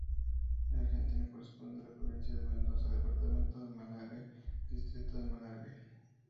En Argentina corresponde a la Provincia de Mendoza, Departamento Malargüe, Distrito Malargüe.